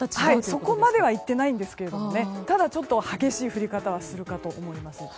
そこまでいっていないんですがただ激しい降り方はするかと思います。